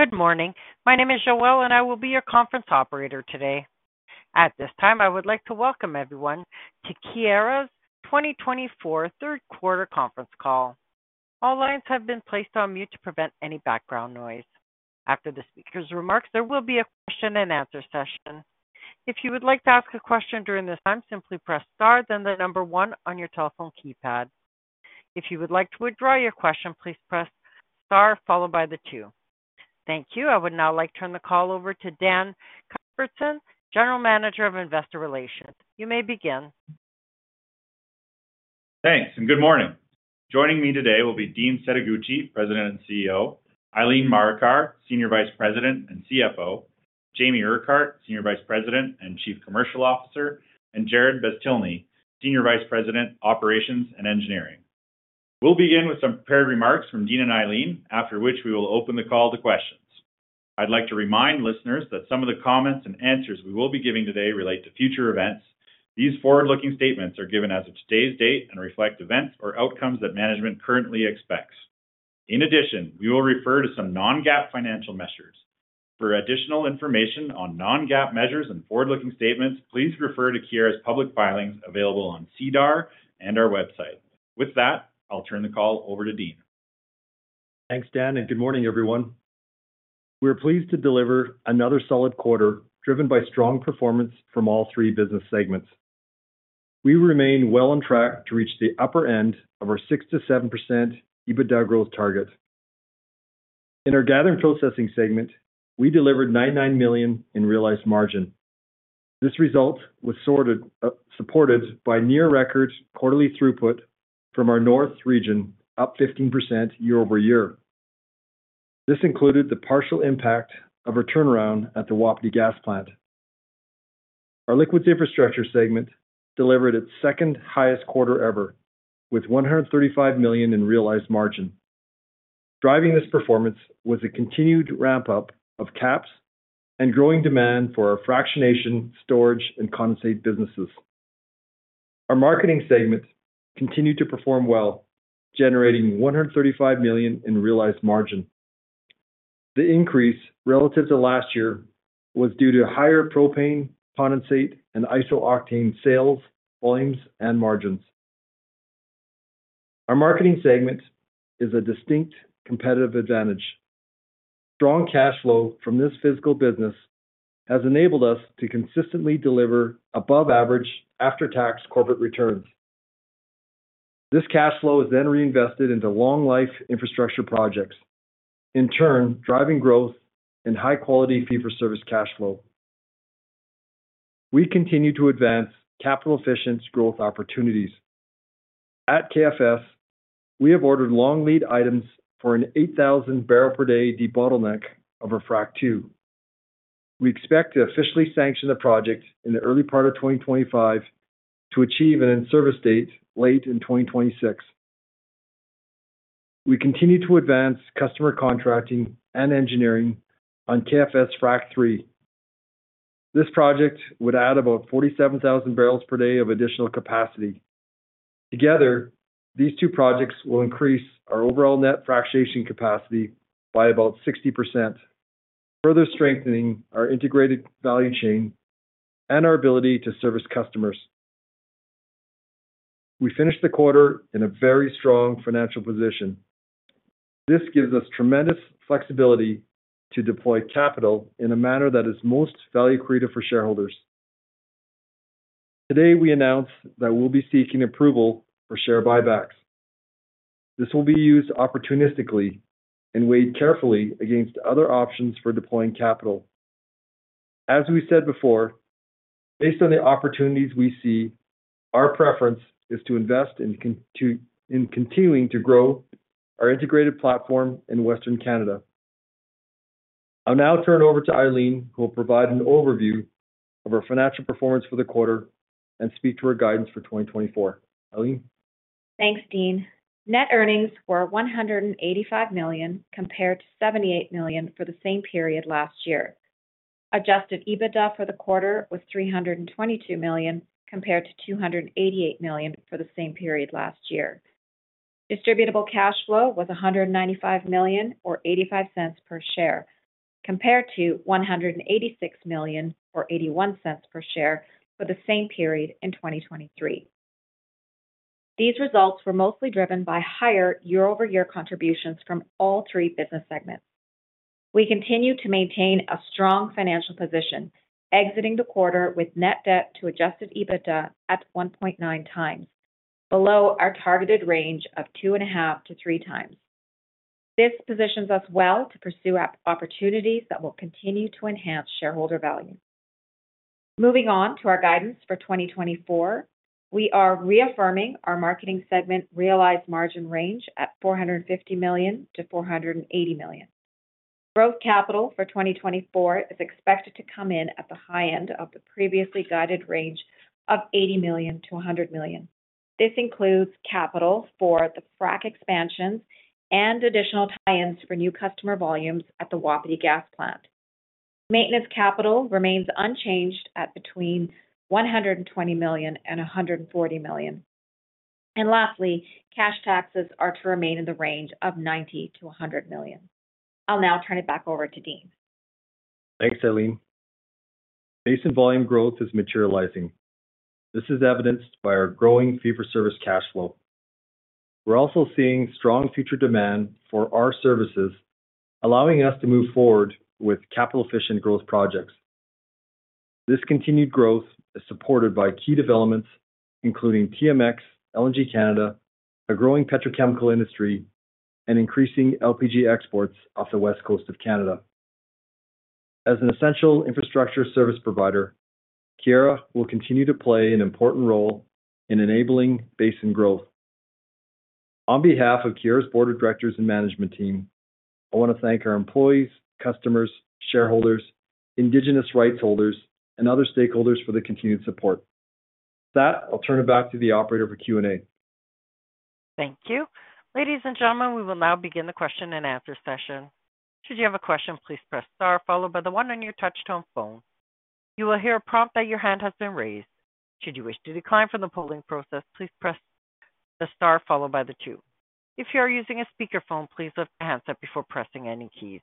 Good morning. My name is Joelle and I will be your conference operator today. At this time I would like to welcome everyone to Keyera's 2024 third quarter conference call. All lines have been placed on mute to prevent any background noise. After the speaker's remarks, there will be a question and answer session. If you would like to ask a question during this time, simply press star then the number one on your telephone keypad. If you would like to withdraw your question, please press star followed by the two. Thank you. I would now like to turn the call over to Dan Cuthbertson, General Manager of Investor Relations. You may begin. Thanks and good morning. Joining me today will be Dean Setoguchi, President and CEO; Eileen Marikar, Senior Vice President and CFO; Jamie Urquhart, Senior Vice President and Chief Commercial Officer; and Jarrod Beztilny, Senior Vice President, Operations and Engineering. We'll begin with some prepared remarks from Dean and Eileen, after which we will open the call to questions. I'd like to remind listeners that some of the comments and answers we will be giving today relate to future events. These forward-looking statements are given as of today's date and reflect events or outcomes that management currently expects. In addition, we will refer to some non-GAAP financial measures. For additional information on non-GAAP measures and forward-looking statements, please refer to Keyera's public filings available on SEDAR and our website. With that, I'll turn the call over to Dean. Thanks, Dan, and good morning, everyone. We are pleased to deliver another solid quarter driven by strong performance from all three business segments. We remain well on track to reach the upper end of our 6%–7% EBITDA growth target. In our Gathering and Processing segment we delivered 99 million in realized margin. This result was supported by near record quarterly throughput from our north region up 15% year-over-year. This included the partial impact of our turnaround at the Wapiti Gas Plant. Our Liquids Infrastructure segment delivered its second highest quarter ever with 135 million in realized margin. Driving this performance was a continued ramp up of KAPS and growing demand for our fractionation, storage and condensate businesses. Our Marketing segment continued to perform well generating 135 million in realized margin. The increase relative to last year was due to higher propane condensate and iso-octane sales volumes and margins. Our marketing segment is a distinct competitive advantage. Strong cash flow from this fiscal business has enabled us to consistently deliver above average after tax corporate returns. This cash flow is then reinvested into long life infrastructure projects in turn driving growth and high quality fee-for-service cash flow. We continue to advance capital efficiency growth opportunities at KFS. We have ordered long lead items for an 8,000 barrel per day debottleneck of Frac 2. We expect to officially sanction the project in the early part of 2025 to achieve an in-service date late in 2026. We continue to advance customer contracting and engineering on KFS Frac 3. This project would add about 47,000 barrels per day of additional capacity. Together these two projects will increase our overall net fractionation capacity by about 60%, further strengthening our integrated value chain and our ability to service customers. We finished the quarter in a very strong financial position. This gives us tremendous flexibility to deploy capital in a manner that is most value creative for shareholders. Today we announced that we'll be seeking approval for share buybacks. This will be used opportunistically and weighed carefully against other options for deploying capital. As we said before, based on the opportunities we see, our preference is to invest in continuing to grow our integrated platform in Western Canada. I'll now turn it over to Eileen who will provide an overview of our financial performance for the quarter and speak to her guidance for 2024. Eileen, thanks, Dean. Net earnings were 185 million compared to 78 million for the same period last year. Adjusted EBITDA for the quarter was 322 million compared to 288 million for the same period last year. Distributable cash flow was 195 million or 0.85 per share compared to 186 million or 0.81 per share for the same period in 2023. These results were mostly driven by higher year-over-year contributions from all three business segments. We continue to maintain a strong financial position exiting the quarter with net debt to adjusted EBITDA at 1.9 times below our targeted range of 2.5-3x. This positions us well to pursue opportunities that will continue to enhance shareholder value. Moving on to our guidance for 2024, we are reaffirming our marketing segment realized margin range at 450 million–480 million. Growth capital for 2024 is expected to come in at the high end of the previously guided range of $80 million–$100 million. This includes capital for the Frac expansions and additional tie-ins for new customer volumes. At the Wapiti Gas Plant, maintenance capital remains unchanged at between $120 million and $140 million. Lastly, cash taxes are to remain in the range of $90 million–$100 million. I'll now turn it back over to Dean. Thanks, Eileen. Basin volume growth is materializing. This is evidenced by our growing fee-for-service cash flow. We're also seeing strong future demand for our services, allowing us to move forward with capital efficient growth projects. This continued growth is supported by key developments including TMX, LNG Canada, a growing petrochemical industry, increasing LPG exports off the west coast of Canada. As an essential infrastructure service provider, Keyera will continue to play an important role in enabling basin growth. On behalf of Keyera's Board of Directors and management team, I want to thank our employees, customers, shareholders, indigenous rights holders and other stakeholders for the continued support. With that, I'll turn it back to the operator for Q and A. Thank you ladies and gentlemen. We will now begin the question and answer session. Should you have a question, please press star followed by the one. On your touch tone phone you will hear a prompt that your hand has been raised. Should you wish to decline from the polling process, please press the star followed by the two. If you are using a speakerphone, please lift the handset before pressing any keys.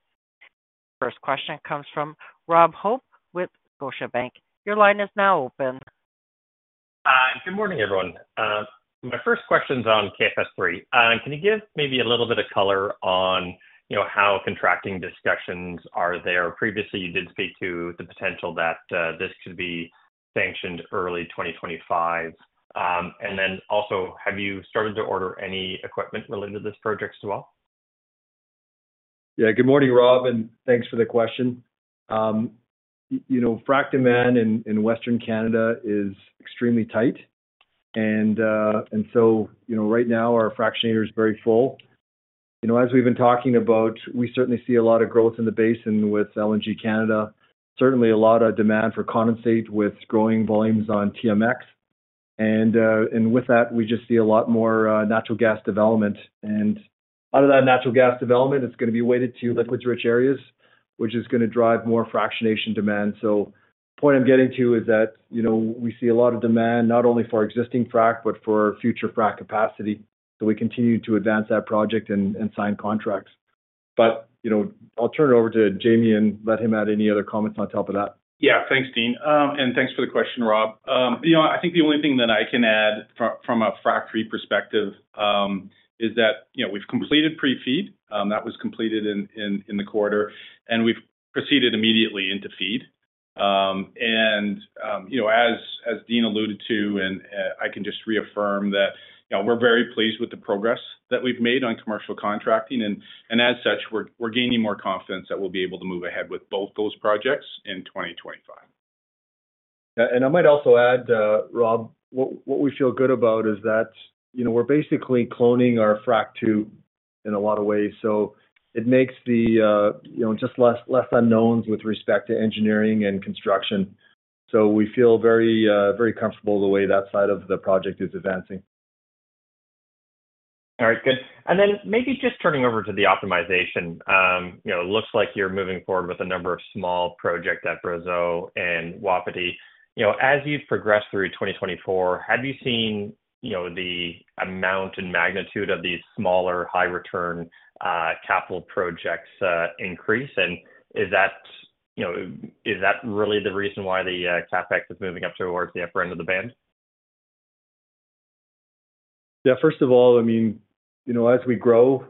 First question comes from Rob Hope with Scotiabank. Your line is now open. Good morning everyone. My first question's on KFS3. Can you give maybe a little bit of color on, you know, how contracting discussions are there? Previously you did speak to the potential that this could be sanctioned early 2025 and then also have you started to order any equipment related to this project as well? Yeah. Good morning Rob, and thanks for the question. You know frac demand in Western Canada is extremely tight and so you know, right now our fractionator is very full. You know, as we've been talking about, we certainly see a lot of growth in the basin with LNG Canada. Certainly a lot of demand for condensate with growing volumes on TMX. With that, we just see a lot more natural gas development and that natural gas development. It's going to be weighted to liquids rich areas which is going to drive more fractionation demand. The point I'm getting to is that we see a lot of demand not only for existing frac, but for future frac capacity. We continue to advance that project and sign contracts. I'll turn it over to Jamie and let him add any other comments on top of that. Yeah, thanks Dean and thanks for the question Rob. I think the only thing that I can add from a Frac 3 perspective is that we've completed pre-FEED that was completed in the quarter and we've proceeded immediately into FEED and as Dean alluded to and I can just reaffirm that we're very pleased with the progress that we've made on commercial contracting. And as such, we're gaining more confidence that we'll be able to move ahead with both those projects in 2025. I might also add, Rob, what we feel good about is that we're basically cloning our Frac 2 in a lot of ways. It makes the just less unknowns with respect to engineering and construction. We feel very comfortable the way that side of the project is advancing. All right, good. Maybe just turning over to the optimization. It looks like you're moving forward with a number of small projects. At Brazeau and Wapiti. You know, as you've progressed through 2024, have you seen, you know, the amount and magnitude of these smaller high return capital projects increase? And is that, you know, is that really the reason why the CapEx is moving up towards the upper end of the band? Yeah. First of all, I mean, you know, as we grow,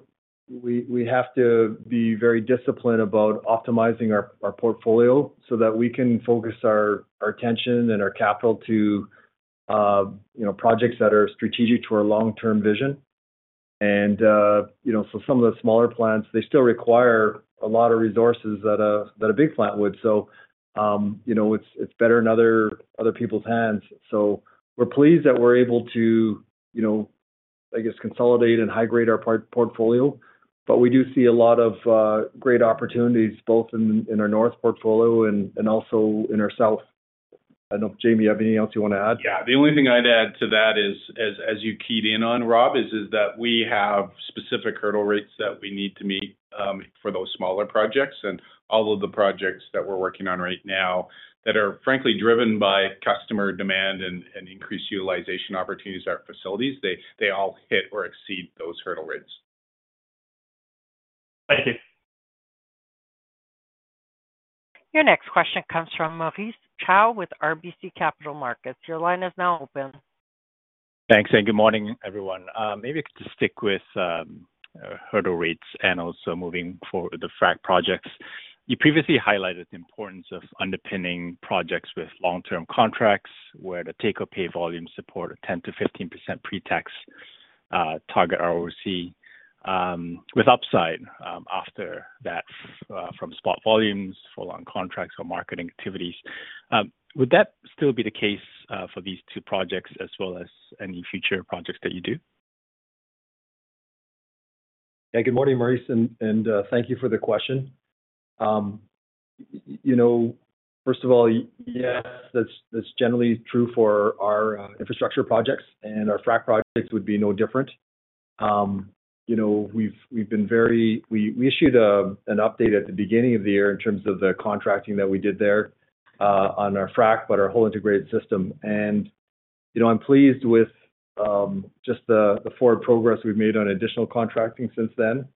we have to be very disciplined about optimizing our portfolio so that we can focus our attention and our capital to projects that are strategic to our long term vision. And for some of the smaller plants, they still require a lot of resources that a big plant would. So it's better in other people's hands. So we're pleased that we're able to I guess, consolidate and high grade our portfolio. But we do see a lot of great opportunities both in our north portfolio and also in our south. I don't know if Jamie, you have anything else you want to add? Yeah, the only thing I'd add to that is as you keyed in on Rob, is that we have specific hurdle rates that we need to meet for those smaller projects. And all of the projects that we're working on right now that are frankly driven by customer demand and increased utilization opportunities, our facilities, they all hit or exceed those hurdle rates. Thank you. Your next question comes from Maurice Choy with RBC Capital Markets. Your line is now open. Thanks and good morning everyone. Maybe I could just stick with hurdle rates and also moving forward, the frac projects. You previously highlighted the importance of underpinning projects with long-term contracts where the take-or-pay volumes support a 10%–15% pre-tax target ROC with upside after that from spot volumes full-on contracts or marketing activities. Would that still be the case for these two projects as well as any future projects that you do? Yeah. Good morning, Maurice, and thank you for the question. You know, first of all, yes, that's generally true for our infrastructure projects and our frac projects would be no different. You know, we issued an update at the beginning of the year in terms of the contracting that we did there on our frac, but our whole integrated system, and you know, I'm pleased with just the forward progress we've made on additional contracting since then.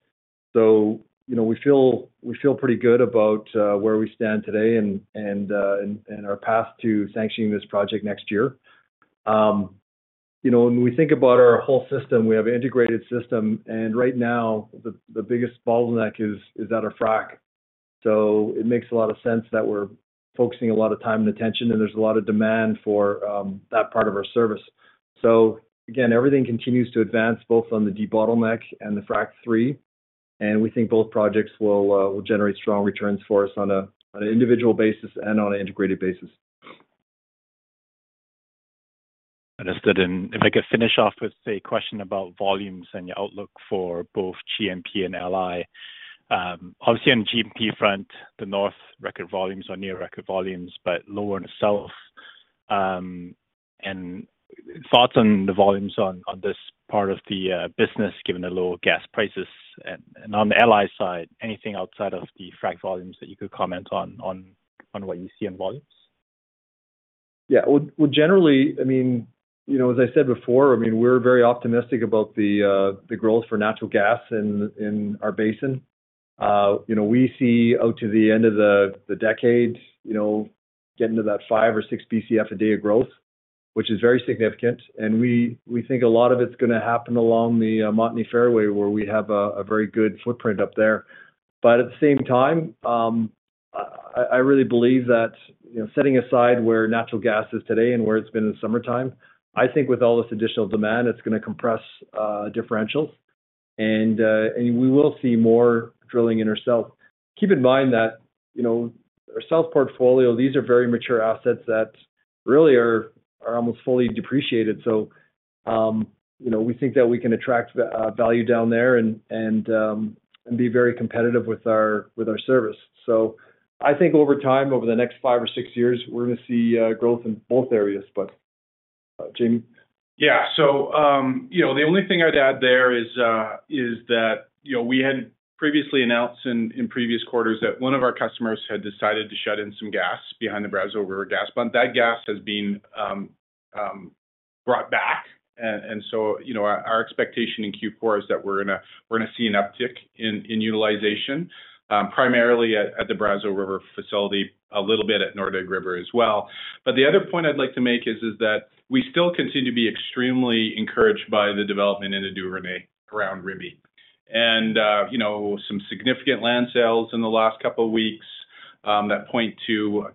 So, you know, we feel pretty good about where we stand today and our path to sanctioning this project next year. You know, when we think about our whole system, we have an integrated system, and right now the biggest bottleneck is at our frac. So it makes a lot of sense that we're focusing a lot of time and attention and there's a lot of demand for that part of our service. So, again, everything continues to advance both on the debottleneck and the Frac 3, and we think both projects will generate strong returns for us on an individual basis and on an integrated basis. Understood. And if I could finish off with a question about volumes and your outlook for both G&P and LI. Obviously on the G&P front, in the north, record volumes are near record volumes, but lower in the south. And thoughts on the volumes on this part of the business, given the low gas prices and on the LI side, anything outside of the frac volumes that you could comment on on what you see in volumes? Yeah, well, generally, I mean, you know, as I said before, I mean, we're very optimistic about the growth for natural gas in our basin. You know, we see out to the end of the decade, you know, getting to that 5 or 6 BCF a day of growth, which is very significant. And we think a lot of it's going to happen along the Montney Fairway, where we have a very good footprint up there. But at the same time, I really believe that setting aside where natural gas is today and where it's been in the summertime, I think with all this additional demand, it's going to compress differentials and we will see more drilling in ourselves. Keep in mind that our south portfolio, these are very mature assets that really are almost fully depreciated. So we think that we can attract value down there and be very competitive with our service. So I think over time, over the next five or six years, we're going to see growth in both areas. But Jamie. Yeah, so, you know, the only thing I'd add there is that, you know, we had previously announced in previous quarters that one of our customers had decided to shut in some gas behind. The Brazeau River gas plant. That gas has been brought back. And so, you know, our expectation in Q4 is that we're going to see an uptick in utilization primarily at the Brazeau River facility, a little bit at Nordegg River as well. But the other point I'd like to make is that we still continue to be extremely encouraged by the development in the Duvernay around Rimbey and you know, some significant land sales in the last couple weeks that point to,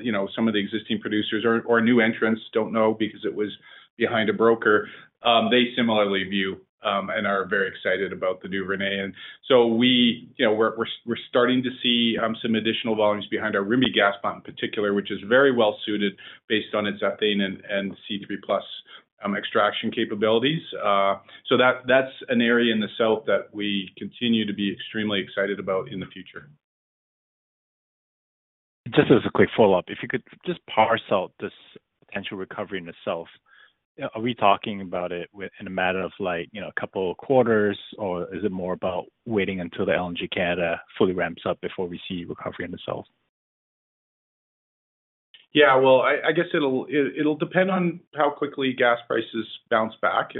you know, some of the existing producers or new entrants don't know because it was behind a broker. They similarly view and are very excited about the Duvernay. And so we, you know, we're starting to see some additional volumes behind our Rimbey gas plant in particular, which is very well suited based on its ethane and C3 plus extraction capabilities. So that's an area in the south that we continue to be extremely excited. About in the future. Just as a quick follow up, if. You could just parse out this potential recovery in itself. Are we talking about it in a matter of like a couple of quarters or is it more about waiting until the LNG Canada fully ramps up before we see recovery in the South? Yeah, well, I guess it'll depend on how quickly gas prices bounce back.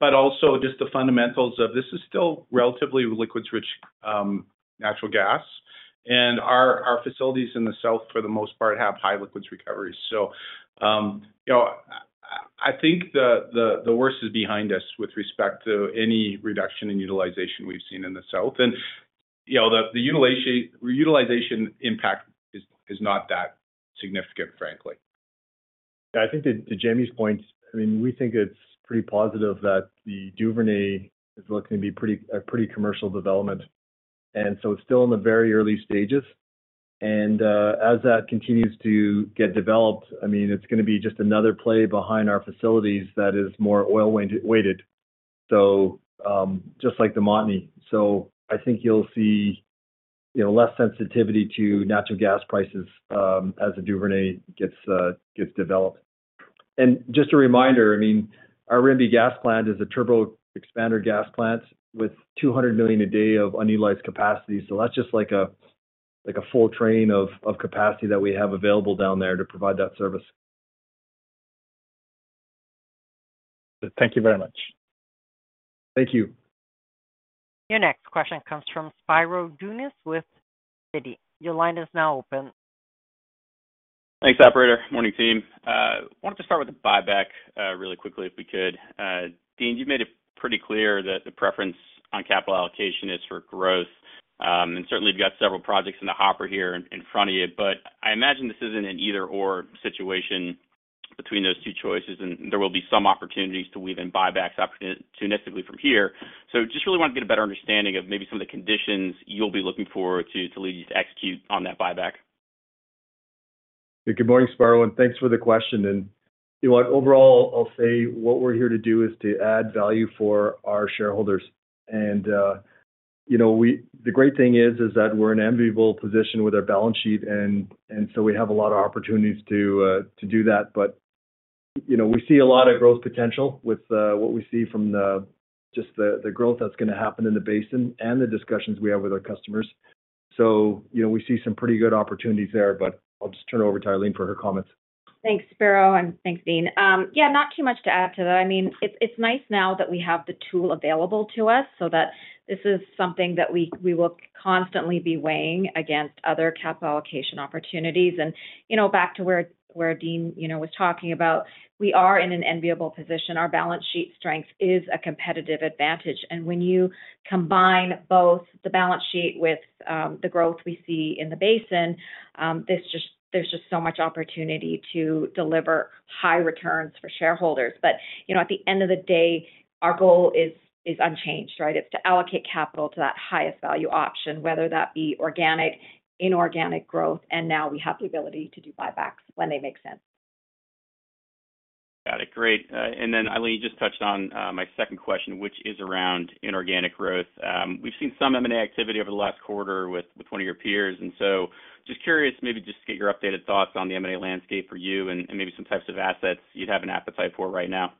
But also just the fundamentals of this is still relatively liquids rich natural gas and our facilities in the south for the most part have high liquids recoveries. So I think the worst is behind us with respect to any reduction in utilization we've seen in the south. And you know, the utilization impact is not that significant, frankly. I think to Jamie's point, I mean, we think it's pretty positive that the Duvernay is looking to be a pretty commercial development. And so it's still in the very early stages. And as that continues to get developed, I mean it's going to be just another play behind our facilities that is more oil weighted, so just like the Montney. So I think you'll see less sensitivity to natural gas prices as a Duvernay gets developed. And just a reminder, I mean our Rimbey gas plant is a turbo expander gas plant with 200 million a day of unutilized capacity. So that's just like a full train of capacity that we have available down there to provide that service. Thank you very much. Thank you. Your next question comes from Spiro Dounis with Citi. Your line is now open. Thanks operator. Morning, team. Wanted to start with the buyback really quickly if we could. Dean, you've made it pretty clear that the preference on capital allocation is for growth, and certainly you've got several projects in the hopper here in front of you, but I imagine this isn't an either or situation between those two choices, and there will be some opportunities to weave in buybacks opportunistically from here, so just really want to get a better understanding of maybe some of the conditions you'll be looking for to lead you to execute on that buyback. Good morning, Spiro, and thanks for the question. You know what? Overall, I'll say what we're here to do is to add value for our shareholders. You know, the great thing is that we're in an enviable position with our balance sheet. And so we have a lot of opportunities to do that. But you know, we see a lot of growth potential with what we see from just the growth that's going to happen in the basin and the discussions we have with our customers. So you know, we see some pretty good opportunities there. But I'll just turn over to Eileen for her comments. Thanks, Spiro, and thanks, Dean. Yeah, not too much to add to that. I mean, it's nice now that we have the tool available to us so that this is something that we will constantly be weighing against other capital allocation opportunities, and you know, back to where, where Dean was talking about, we are in an enviable position. Our balance sheet strength is a competitive advantage, and when you combine both the balance sheet with the growth we see in the basin, there's just so much opportunity to deliver high returns for shareholders, but at the end of the day, our goal is unchanged. It's to allocate capital to that highest value option, whether that be organic, inorganic growth, and now we have the ability to do buybacks when they make sense. Got it. Great. Eileen, you just touched on my second question, which is around inorganic growth. We've seen some M&A activity over the last quarter with one of your peers. So just curious, maybe just to get your updated thoughts on the M&A landscape for you and maybe some types of assets you'd have an appetite for right now.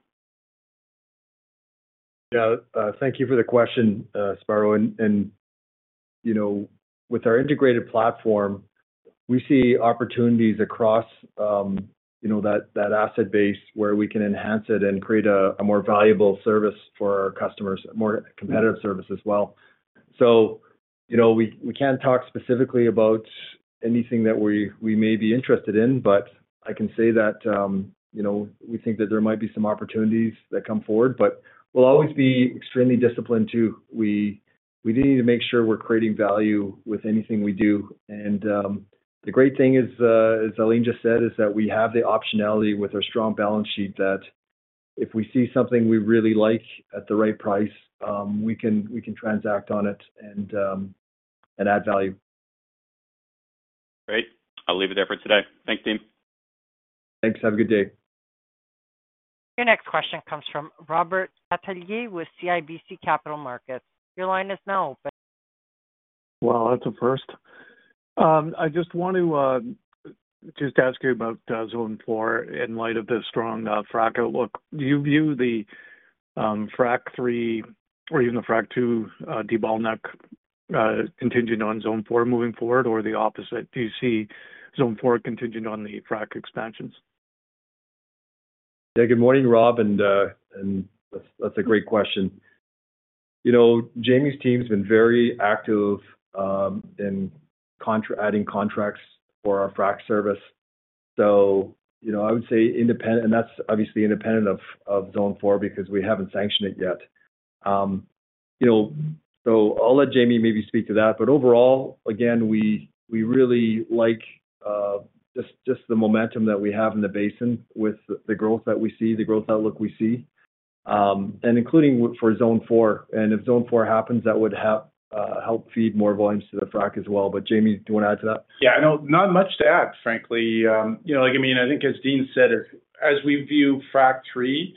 Yeah, thank you for the question, Spiro. And you know, with our integrated platform, we see opportunities across, you know, that, that asset base where we can enhance it and create a more valuable service for our customers, more competitive service as well. So, you know, we, we can't talk specifically about anything that we, we may be interested in, but I can say that, you know, we think that there might be some opportunities that come forward, but we'll always be extremely disciplined, too. We need to make sure we're creating value with anything we do. And the great thing is, as Eileen just said, is that we have the optionality with our strong balance sheet that if we see something we really like at the right price, we can transact on it and add value. Great. I'll leave it there for today. Thanks, team. Thanks. Have a good day. Your next question comes from Robert Catellier with CIBC Capital Markets. Your line is now open. That's a first. I just want to just ask you about Zone 4. In light of this strong frac outlook, do you view the frac 3 or even the frac 2 debottleneck contingent on Zone 4 moving forward or the opposite? Do you see Zone 4 contingent on the frac expansions? Yeah. Good morning, Rob, and that's a great question. You know, Jamie's team's been very active in adding contracts for our frac service. So, you know, I would say independent, and that's obviously independent of Zone 4 because we haven't sanctioned it yet. You know, so I'll let Jamie maybe speak to that. But overall, again we really like just the momentum that we have in the basin with the growth that we see, the growth outlook we see and including for Zone four. And if Zone 4 happens, that would help feed more volumes to the frac as well. But Jamie, do you want to add to that? Yeah, not much to add, frankly. I mean, I think as Dean said, as we view Frac 3,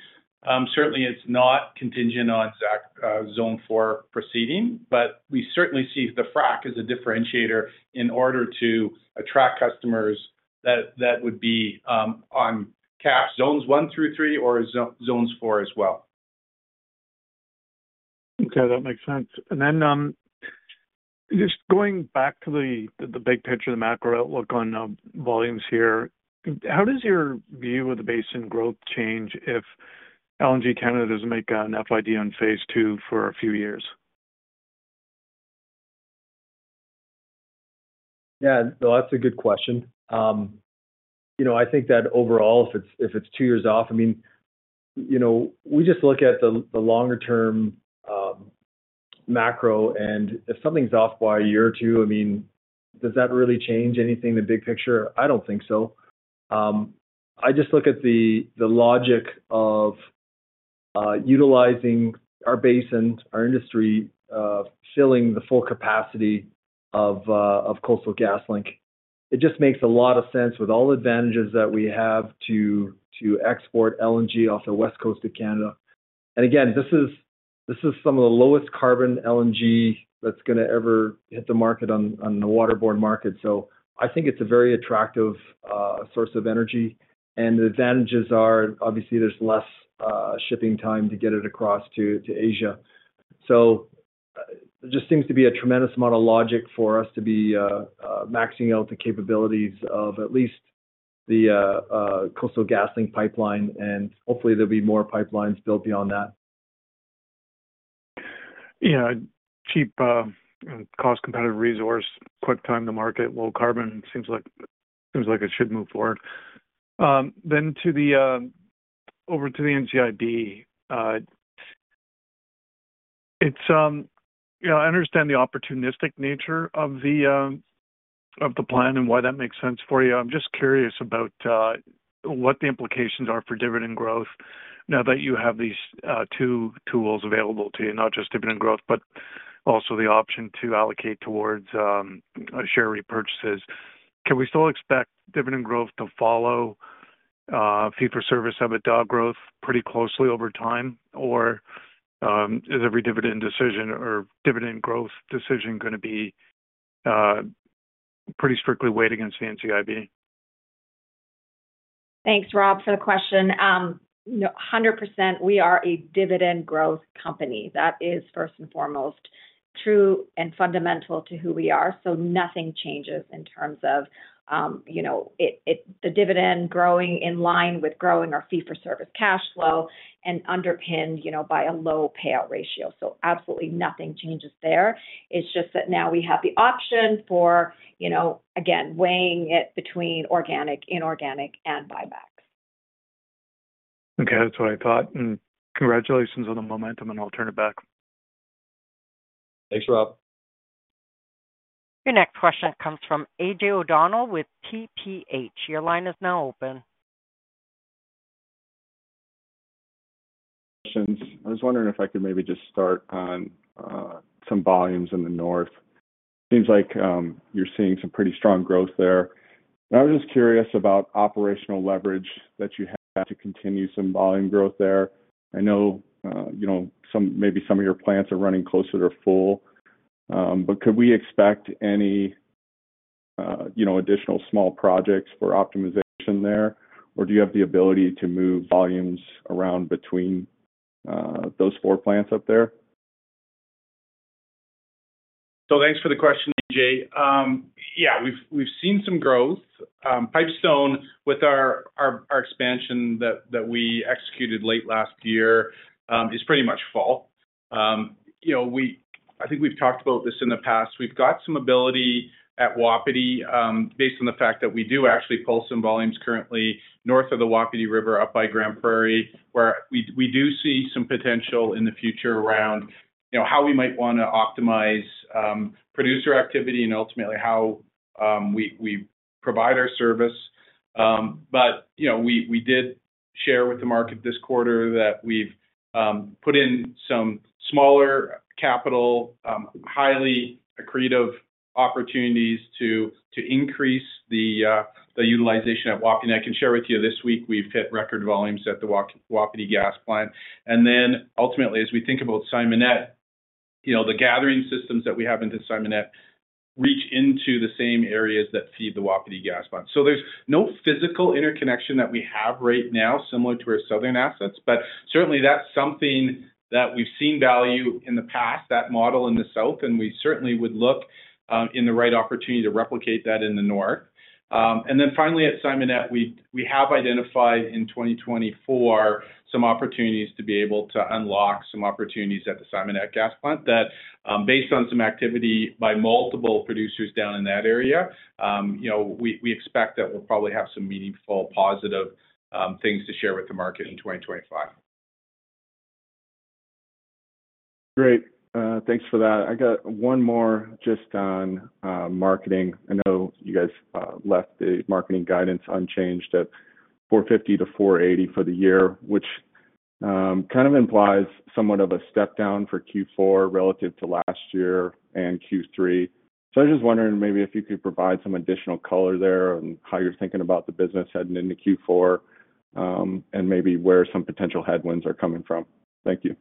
certainly it's not contingent on Zone 4 proceeding, but we certainly see the frac as a differentiator in order to attract customers. That would be on KAPS, zones one through three or zones four as well. Okay, that makes sense. And then just going back to the big picture, the macro outlook on volumes here, how does your view of the basin growth change if LNG Canada doesn't make an FID on phase two for a few years? Yeah, that's a good question. You know, I think that overall, if it's two years off, I mean, you know, we just look at the longer term macro and if something's off by a year or two, I mean, does that really change anything, the big picture? I don't think so. I just look at the logic of utilizing our basin, our industry, filling the full capacity of Coastal GasLink. It just makes a lot of sense with all advantages that we have to export LNG off the west coast of Canada. And again, this is some of the lowest carbon LNG that's going to ever hit the market on the waterborne market. So I think it's a very attractive source of energy and the advantages are obviously there's less shipping time to get it across to Asia. So just seems to be a tremendous amount of logic for us to be maxing out the capabilities of at least the Coastal GasLink pipeline and hopefully there'll be more pipelines built beyond that. Yeah, cheap cost, competitive resource, quick time to market, low carbon. Seems like, seems like it should move forward then to the, over to the NCIB. It's, you know, I understand the opportunistic nature of the, of the plan and why that makes sense for you. I'm just curious about what the implications are for dividend growth now that you have these two tools available to you, not just dividend growth, but also the option to allocate towards share repurchases. Can we still expect dividend growth to follow fee for service EBITDA growth pretty closely over time, or is every dividend decision or dividend growth decision going to. Be. Pretty strictly weighed against the NCIB? Thanks, Rob, for the question. 100%, we are a dividend growth company that is first and foremost true and fundamental to who we are. So nothing changes in terms of our, you know, the dividend growing in line with growing our fee for service cash flow and underpinned, you know, by a low payout ratio. So absolutely nothing changes there. It's just that now we have the option for, you know, again, weighing it between organic, inorganic and buybacks. Okay, that's what I thought, and congratulations on the momentum, and I'll turn it back. Thanks, Rob. Your next question comes from AJ O'Donnell with TPH. Your line is now open. I was wondering if I could maybe just start on some volumes in the north. Seems like you're seeing some pretty strong growth there. I was just curious about operational leverage that you have to continue some volume growth there. I know, you know, some, maybe some of your plants are running closer to full, but could we expect any, you know, additional small projects for optimization there or do you have the ability to move volumes around between those four plants up there? So thanks for the question, AJ. Yeah, we've seen some growth. Pipestone, with our expansion that we executed late last year, is pretty much full. You know, I think we've talked about this in the past. We've got some ability at Wapiti based on the fact that we do actually pull some volumes currently north of the Wapiti River up by Grande Prairie, where we do see some potential in the future around, you know, how we might want to optimize producer activity and ultimately how we provide our service. But, you know, we did share with the market this quarter that we've put in some smaller capital, highly accretive opportunities to increase the utilization at Wapiti. I can share with you. This week we've hit record volumes at the Wapiti Gas Plant. Ultimately, as we think about Simonette, you know, the gathering systems that we have into Simonette reach into the same areas that feed the Wapiti Gas Plant. So there's no physical interconnection that we have right now similar to our southern assets. But certainly that's something that we've seen value in the past, that model in the south, and we certainly would look in the right opportunity to replicate that in the North. Finally at Simonette, we have identified in 2024 some opportunities to be able to unlock some opportunities at the Simonette Gas Plant that based on some activity by multiple producers down in that area, we expect that we'll probably have some meaningful, positive things to share with the market in 2025. Great. Thanks for that. I got one more just on marketing. I know you guys left the marketing guidance unchanged at 450-480 for the year, which kind of implies somewhat of a step down for Q4 relative to last year and Q3. So I was just wondering maybe if. You could provide some additional color there on how you're thinking about the business heading into Q4 and maybe where some potential headwinds are coming from? Thank you.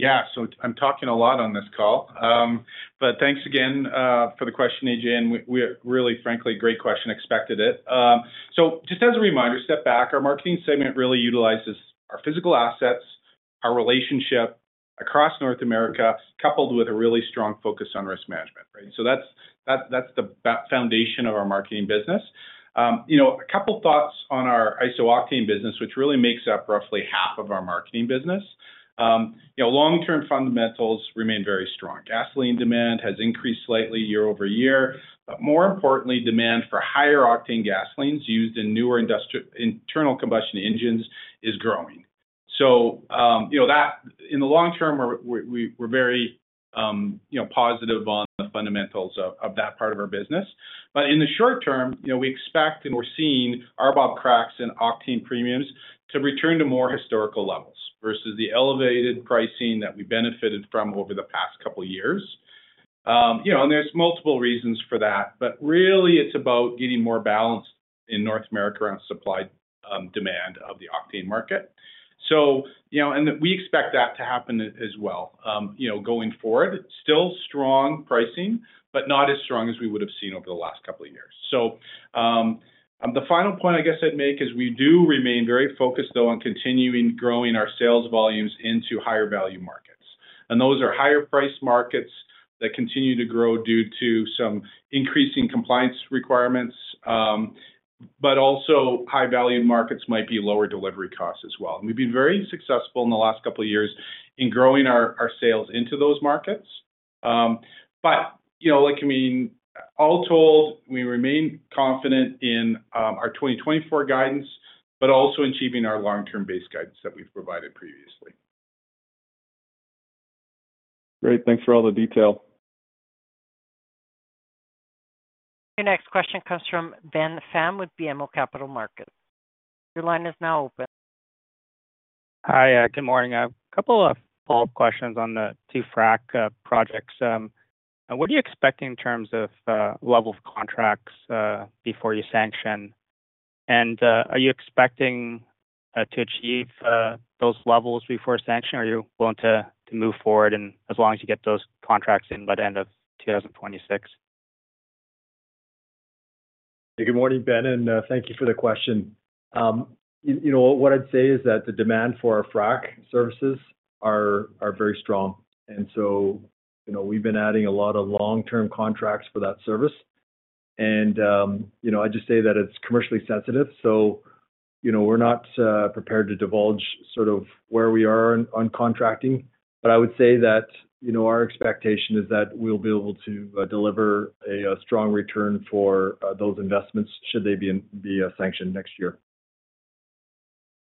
Yeah, so I'm talking a lot on this call, but thanks again for the question, AJ, and really, frankly, great question. Expected it. So just as a reminder, step back. Our marketing segment really utilizes our physical assets, our relationship across North America coupled with a really strong focus on risk management. Right. So that's the foundation of our marketing business. You know, a couple thoughts on our iso-octane business, which really makes up roughly half of our marketing business. You know, long-term fundamentals remain very strong. Gasoline demand has increased slightly year-over-year. But more importantly, demand for higher octane gasolines used in newer industrial internal combustion engines is growing. So, you know that in the long term, we're very positive on the fundamentals of that part of our business. But in the short term, you know, we expect, and we're seeing RBOB cracks in octane premiums to return to more historical levels versus the elevated pricing that we benefited from over the past couple years. You know, and there's multiple reasons for that, but really it's about getting more balanced in North America around supply demand of the octane market. So, you know, and we expect that to happen as well, you know, going forward. Still strong pricing, but not as strong as we would have seen over the last couple of years. So the final point I guess I'd make is we do remain very focused though on continuing growing our sales volumes into higher value markets. And those are higher priced markets that continue to grow due to some increasing compliance requirements. But also high value markets might be lower delivery costs as well. And we've been very successful in the last couple years in growing our sales into those markets. But you know, like, I mean, all told, we remain confident in our 2024 guidance, but also achieving our long term base guidance that we've provided previously. Great, thanks for all the detail. The next question comes from Ben Pham with BMO Capital Markets. Your line is now open. Hi, good morning. A couple of follow up questions on the two frac projects. What are you expecting in terms of level of contracts before you sanction and are you expecting to achieve those levels before sanction or are you willing to move forward and as long as you get those contracts in by the end of 2026? Good morning, Ben, and thank you for the question. You know, what I'd say is that the demand for our frac services are very strong. And so, you know, we've been adding a lot of long term contracts for that service. And you know, I just say that it's commercially sensitive. So, you know, we're not prepared to divulge sort of where we are on contracting. But I would say that, you know, our expectation is that we'll be able to deliver a strong return for those investments should they be sanctioned next year?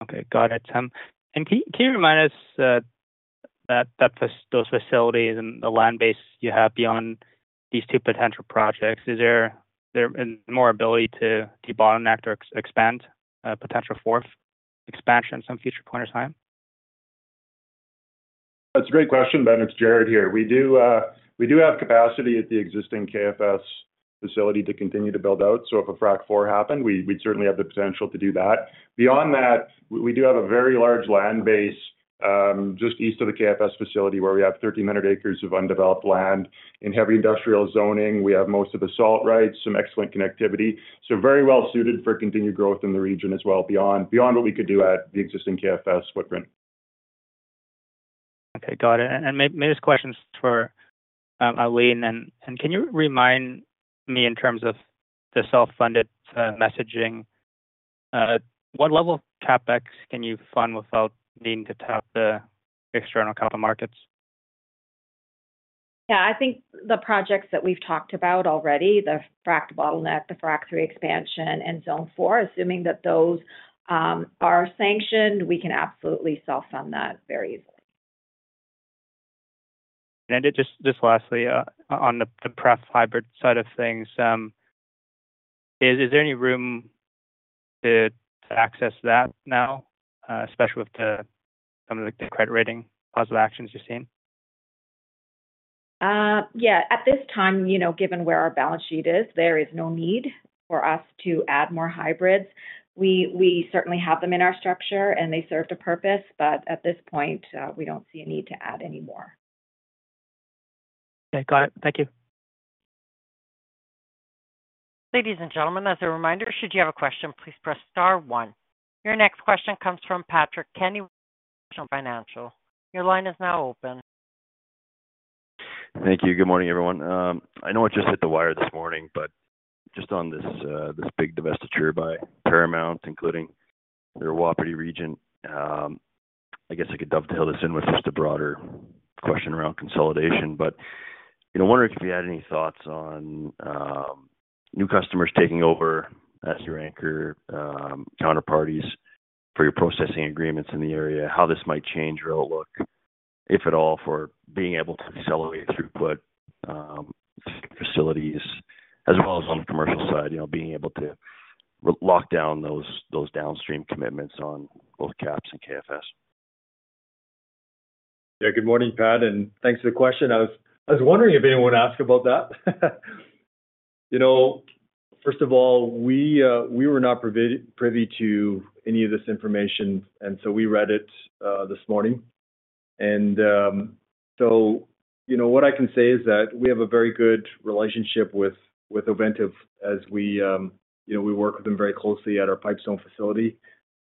Okay, got it. And can you remind us that those facilities and the land base you have, beyond these two potential projects, is there more ability to debottleneck or expand potential fourth expansion, some future point of time? That's a great question, Ben. It's Jarrod here. We do have capacity at the existing KFS facility to continue to build out, so if a Frac 4 happened, we'd certainly have the potential to do that. Beyond that, we do have a very large land base just east of the KFS facility where we have 1300 acres of undeveloped land in heavy industrial zoning. We have most of the salt rights, some excellent connectivity, so very well suited for continued growth in the region as well, beyond what we could do at the existing KFS footprint. Okay, got it, and maybe this question's for Eileen and can you remind me in terms of the self-funded messaging, what level of CapEx can you fund without needing to tap the external capital markets? Yeah, I think the projects that we've talked about already, the Frac debottleneck, the Frac 3 expansion and Zone 4, assuming that those are sanctioned, we can absolutely self-fund that very easily. Just lastly on the pref hybrid side of things. Is there any room? To access that now, especially with some of the credit rating positive actions you've seen? Yeah. At this time, you know, given where our balance sheet is, there is no need for us to add more hybrids. We certainly have them in our structure and they served a purpose, but at this point we don't see a need to add any more. Okay, got it. Thank you. Ladies and gentlemen, as a reminder, should you have a question, please press star one. Your next question comes from Patrick Kenny, National Bank Financial. Your line is now open. Thank you. Good morning everyone. I know it just hit the wire this morning, but just on this big divestiture by Paramount, including the Wapiti region, I guess I could dovetail this in with just a broader question around consolidation, but you know, wondering if you had any thoughts on new customers taking over as your anchor counterparties for your processing agreements in the area, how this might change your outlook, if at all, for being able to accelerate throughput facilities as well as on the commercial side, you know, being able to lock down those downstream commitments on both KAPS and KFS. Yeah. Good morning, Pat, and thanks for the question. I was wondering if anyone asked about that. You know, first of all, we were not privy to any of this information and so we read it this morning, and so, you know, what I can say is that we have a very good relationship with Ovintiv as we work with them very closely at our Pipestone facility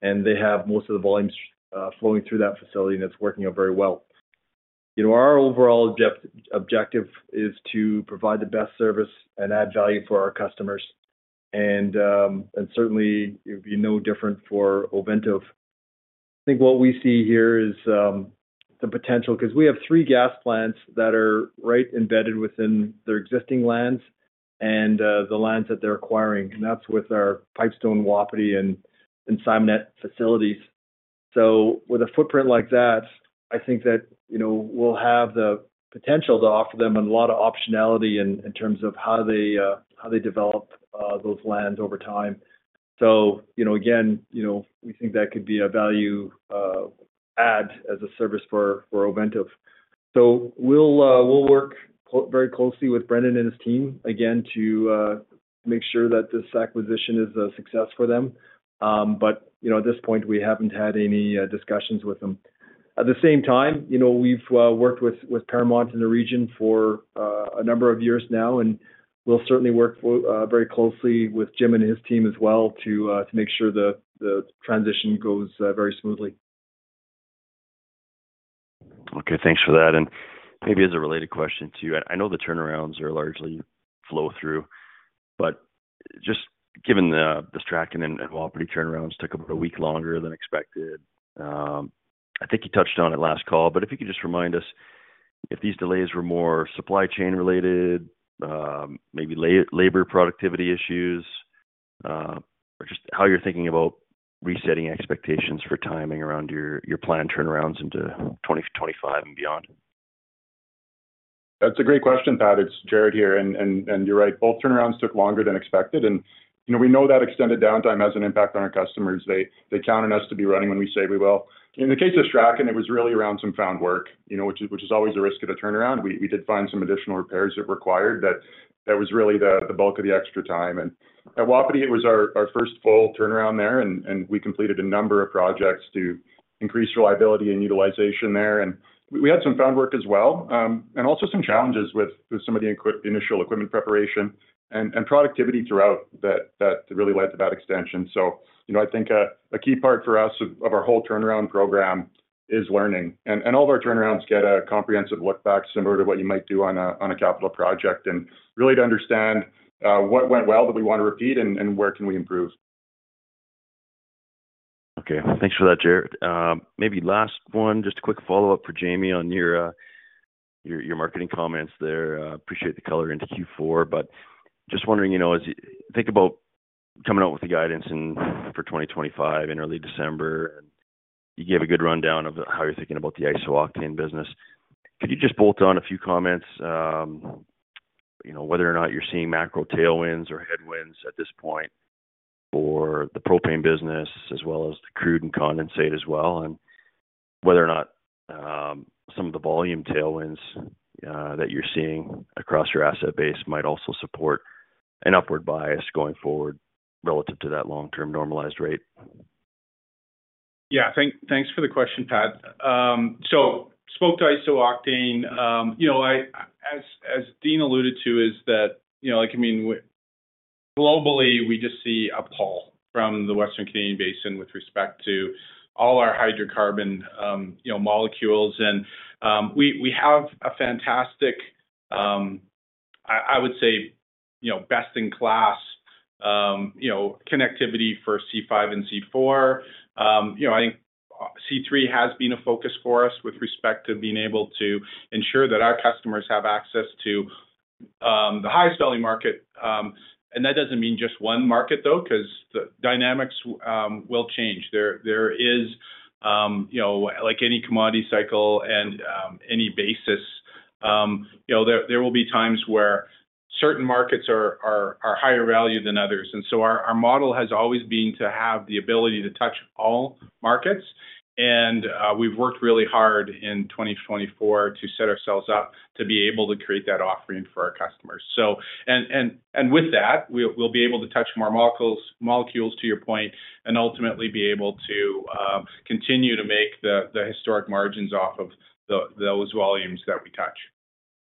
and they have most of the volumes flowing through that facility and it's working out very well. You know, our overall objective is to provide the best service and add value for our customers, and certainly it would be no different for Ovintiv. I think what we see here is the potential because we have three gas plants that are right embedded within their existing lands and the lands that they're acquiring, and that's with our Pipestone, Wapiti and Simonette facilities. So with a footprint like that, I think that we'll have the potential to offer them a lot of optionality in terms of how they develop those lands over time. So again, we think that could be a value add as a service for Ovintiv. So we'll work very closely with Brendan and his team again to make sure that this acquisition is a success for them. We, but you know, at this point we haven't had any discussions with them. At the same time, you know, we've worked with Paramount in the region for a number of years now and we'll certainly work very closely with Jim and his team as well to make sure the transition goes very smoothly. Okay, thanks for that, and maybe as a related question too. I know the turnarounds are largely flow through, but just given the Strachan and Wapiti turnarounds took about a week longer than expected. I think you touched on it last call, but if you could just remind us if these delays were more supply chain related, maybe labor productivity issues or just how you're thinking about resetting expectations for timing around your planned turnarounds into 2025 and beyond. That's a great question, Pat. It's Jarrod here and you're right. Both turnarounds took longer than expected and we know that extended downtime has an impact on our customers. They count on us to be running when we say we will. In the case of Strachan, it was really around some found work, which is always a risk of a turnaround. We did find some additional repairs that required that was really the bulk of the extra time at Wapiti. It was our first full turnaround there and we completed a number of projects to increased reliability and utilization there and we had some found work as well and also some challenges with some of the initial equipment preparation and productivity throughout that really led to that extension. You know, I think a key part for us of our whole turnaround program is learning, and all of our turnarounds get a comprehensive look back similar to what you might do on a capital project, and really to understand what went well that we want to repeat and where we can improve. Okay, thanks for that Jarrod. Maybe last one, just a quick follow up for Jamie on your marketing comments there. Appreciate the color into Q4, but just wondering, you know, as you think about coming out with the guidance for 2025 in early December and you gave a good rundown of how you're thinking about the iso-octane business, could you just bolt on a few comments? You know, whether or not you're seeing macro tailwinds or headwinds at this point for the propane business as well as the crude and condensate as well, and whether or not some of the volume tailwinds that you're seeing across your asset base might also support an upward bias going forward relative to that long term normalized rate. Yeah, thanks for the question, Pat. So spoke to iso-octane, as Dean alluded to, is that you know, like, I mean globally we just see a pull from the Western Canadian basin with respect to all our hydrocarbon molecules and we have a fantastic, I would say, you know, best in class, you know, connectivity for C5 and C4. You know, I think C3 has been a focus for us with respect to being able to ensure that our customers have access to the highest value market. And that doesn't mean just one market though because the dynamics will change. There is like any commodity cycle and any basis there will be times where certain markets are higher value than others. And so our model has always been to have the ability to touch all markets. We've worked really hard in 2024 to set ourselves up to be able to create that offering for our and, with that, we'll be able to touch more molecules to your point and ultimately be able to continue to make the historic margins off of those volumes that we touch.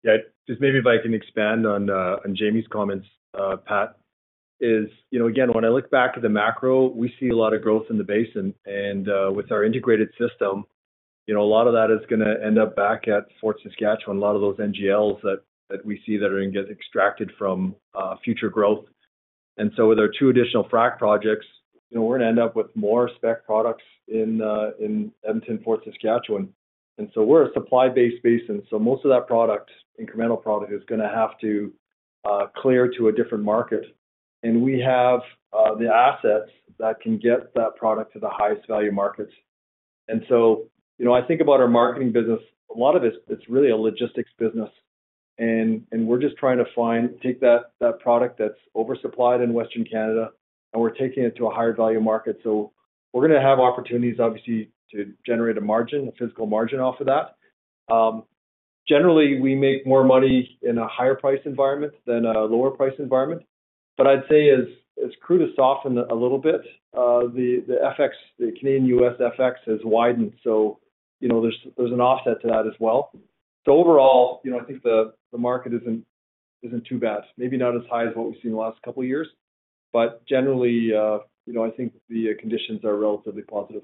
Yeah, just maybe if I can expand on Jamie's comments. Pat is, you know, again when I look back at the macro, we see a lot of growth in the basin and with our integrated system, you know, a lot of that is going to end up back at Fort Saskatchewan. A lot of those NGLs that we see that are going to get extracted from future growth, and so with our two additional frac projects, we're going to end up with more spec products in Edmonton, Fort Saskatchewan. And so we're a supply based basin. So most of that product, incremental product is going to have to clear to a different market and we have the assets that can get that product to the highest value markets. And so I think about our marketing business, a lot of it, it's really a logistics business and we're just trying to find, take that product that's oversupplied in Western Canada and we're taking it to a higher value market. So we're going to have opportunities obviously to generate a margin, a physical margin off of that. Generally we make more money in a higher price environment than a lower price environment. But I'd say as it's crude to soften a little bit, the FX, the Canadian US FX has widened. So you know, there's an offset to that as well. So overall, you know, I think the market isn't too bad. Maybe not as high as what we've seen the last couple years, but generally, you know, I think the conditions are relatively positive.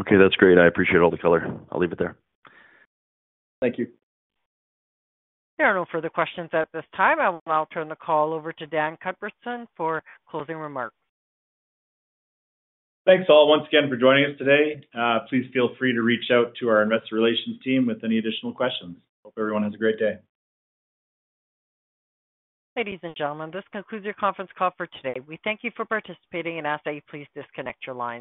Okay, that's great. I appreciate all the color. I'll leave it there. Thank you. There are no further questions at this time. I will now turn the call over to Dan Cuthbertson for closing remarks. Thanks all once again for joining us today. Please feel free to reach out to. Our investor relations team with any additional questions. Hope everyone has a great day. Ladies and gentlemen, this concludes your conference call for today. We thank you for participating and ask that you please disconnect your lines.